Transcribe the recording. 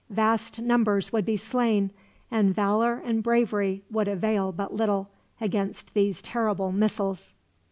Vast numbers would be slain, and valor and bravery would avail but little, against these terrible missiles."